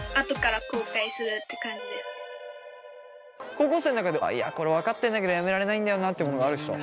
高校生の中でいやこれ分かってんだけどやめられないんだよなってものがある人？